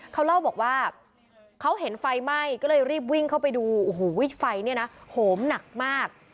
เขาเล่าบอกว่าเขาเห็นไฟไหม้ก็เลยรีบวิ่งเข้าไปดูโอ้โหไฟเนี่ยนะโหมหนักมาก